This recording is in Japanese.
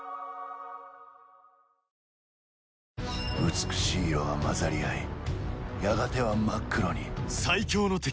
美しい色は混ざり合いやがては真っ黒に。